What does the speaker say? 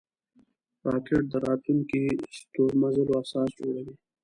راکټ د راتلونکو ستورمزلو اساس جوړوي